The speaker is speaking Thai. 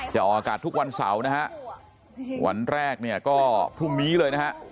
ออกอากาศทุกวันเสาร์นะฮะวันแรกเนี่ยก็พรุ่งนี้เลยนะฮะ